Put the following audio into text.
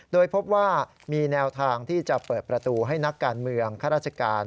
โดยพบว่ามีแนวทางที่จะเปิดประตูให้นักการเมืองข้าราชการ